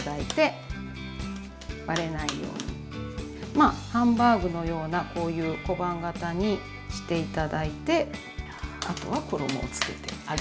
まあハンバーグのようなこういう小判形にして頂いてあとは衣をつけて揚げるばかりです。